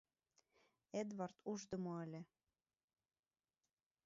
Эдвард ушдымо ыле.